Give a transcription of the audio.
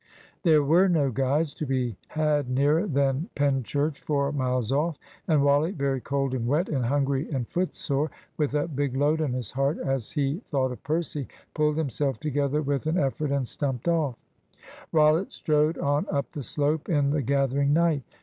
There were no guides to be had nearer than Penchurch, four miles off, and Wally, very cold and wet and hungry and footsore, with a big load on his heart as he thought of Percy, pulled himself together with an effort and stumped off. Rollitt strode on up the slope in the gathering night.